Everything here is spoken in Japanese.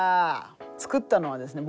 作ったのはですね